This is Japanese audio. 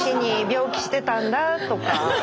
「病気してたんだ」とか。